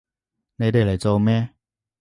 你哋嚟做乜？